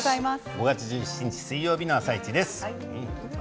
５月１７日水曜日の「あさイチ」です。